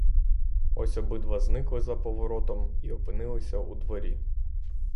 Ось обидва зникли за поворотом і опинилися у дворі.